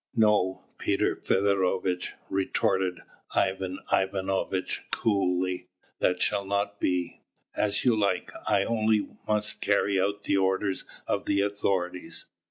"No, Peter Feodorovitch," retorted Ivan Ivanovitch coolly, "that shall not be." "As you like: only I must carry out the orders of the authorities."